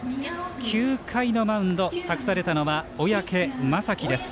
９回のマウンド託されたのは小宅雅己です。